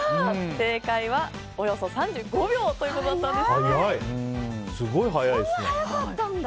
正解はおよそ３５秒ということだったんです。